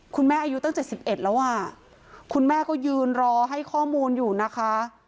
คุณแม่อายุตั้งเจ็บสิบเอ็ดแล้วอ่ะคุณแม่ก็ยืนรอให้ข้อมูลอยู่นะคะ